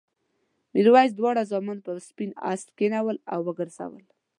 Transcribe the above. میرويس دواړه زامن پر سپین آس کېنول او وګرځول.